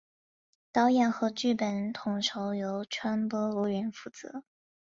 导演和剧本统筹由川波无人负责。